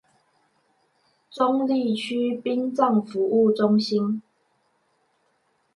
中壢區殯葬服務中心